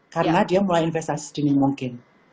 karena dia mulai investasi sedini mungkin